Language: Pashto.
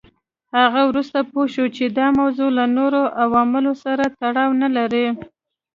هغه وروسته پوه شو چې دا موضوع له نورو عواملو سره تړاو نه لري.